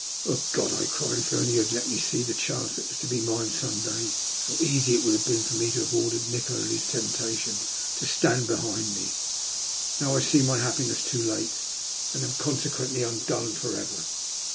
" Oh, God !" I cried, " if only You had let me see the chance that was to be mine some day, how easy it would have been for me to have ordered Nikola and his temptation to stand behind me. Now I see my happiness too late, and am consequently undone for ever."